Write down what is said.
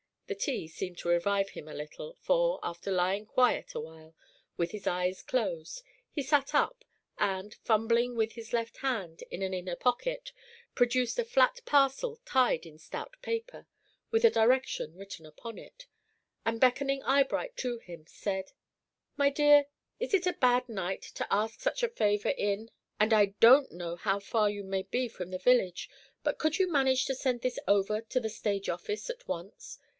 The tea seemed to revive him a little, for, after lying quiet a while with his eyes closed, he sat up, and, fumbling with his left hand in an inner pocket, produced a flat parcel tied in stout paper, with a direction written upon it; and, beckoning Eyebright to him, said: "My dear, it is a bad night to ask such a favor in, and I don't know how far you may be from the village; but could you manage to send this over to the stage office at once?